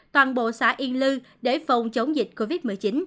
toàn bộ xã yên lư để phòng chống dịch covid một mươi chín